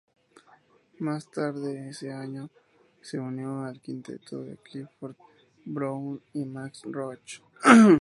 Más tarde ese año, se unió al quinteto de Clifford Brown y Max Roach.